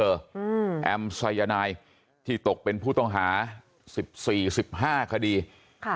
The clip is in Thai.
อืมแอมสายนายที่ตกเป็นผู้ต้องหาสิบสี่สิบห้าคดีค่ะ